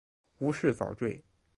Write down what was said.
无饰蚤缀